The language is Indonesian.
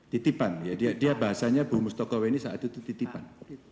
titipan ya dia bahasanya bu mustokoweni saat itu titipan